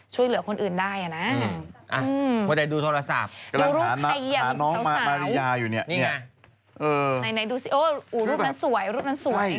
ช่วยเหลือคนอื่นได้อ่ะนะอืมอ่าแต่ดูโทรศัพท์ดูรูปใครอย่างสาวหาน้องมาริยาอยู่เนี่ยนี่ไงเออไหนดูสิโอ้โหรูปนั้นสวยรูปนั้นสวย